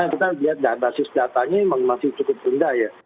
kita lihat basis datanya memang masih cukup rendah ya